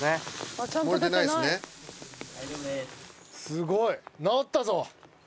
すごい。直ったぞ！